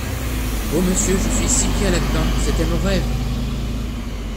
Oh ! monsieur, je suis si bien là-dedans ! c’était mon rêve.